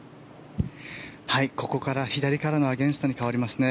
ここから左からのアゲンストに変わりますね。